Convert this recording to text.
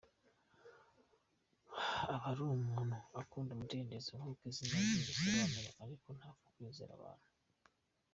Aba ari umuntu ukunda umudendezo nk’uko izina rye risobanura ariko ntapfa kwizera abantu.